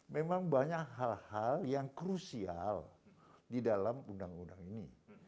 memang banyak hal hal yang krusial di dalam undang undang ini